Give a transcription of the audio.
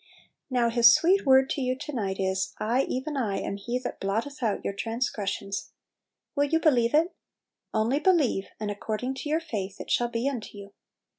Now His sweet word to you to night is, "I, even I, am He that blotteth out your transgressions." Will you believe it? "Only believe," and "according to your faith it shall be unto you."